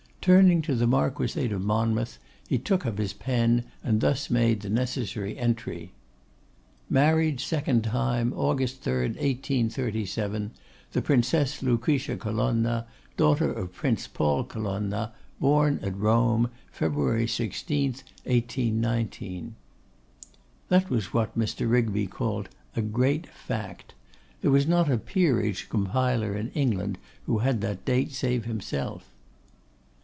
Turning to the Marquisate of Monmouth, he took up his pen and thus made the necessary entry: '_Married, second time, August 3rd, 1837, The Princess Lucretia Colonna, daughter of Prince Paul Colonna, born at Rome, February 16th, 1819._' That was what Mr. Rigby called 'a great fact.' There was not a peerage compiler in England who had that date save himself.